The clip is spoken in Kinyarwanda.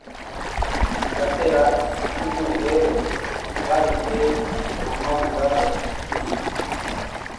Abateracumu rero bahise amabura Kindi